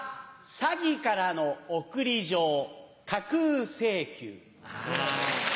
詐欺からの送り状、架空請求。